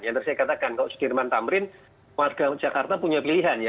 yang tadi saya katakan kalau sudirman tamrin warga jakarta punya pilihan ya